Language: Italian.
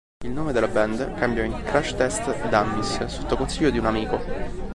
Il nome della band cambiò in "Crash Test Dummies" sotto consiglio di un amico.